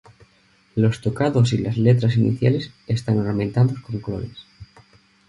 Los tocados y las letras iniciales están ornamentados con colores.